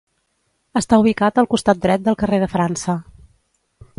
Està ubicat al costat dret del carrer de França.